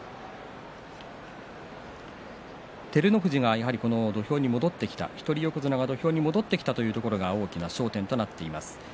照ノ富士が土俵に戻ってきた一人横綱が戻ってきたというところが大きな焦点になっています。